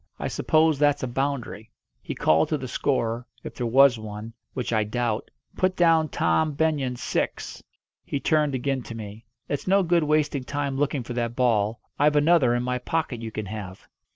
I suppose that's a boundary." He called to the scorer if there was one, which I doubt "Put down Tom Benyon six!" He turned again to me. "It's no good wasting time looking for that ball. I've another in my pocket you can have."